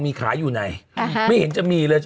มีขายอยู่ไหนไม่เห็นจะมีเลย